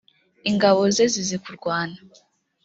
ingabo ze zizi kurwana.